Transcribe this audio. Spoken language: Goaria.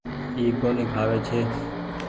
اي ڪونيٚ کآوي ڇي۔